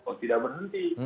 oh tidak berhenti